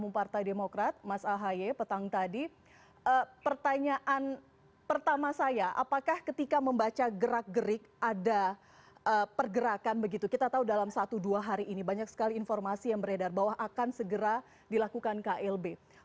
partai demokrat ketika membaca gerak gerik ada pergerakan begitu kita tahu dalam satu dua hari ini banyak sekali informasi yang beredar bahwa akan segera dilakukan klb